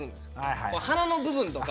鼻の部分とか。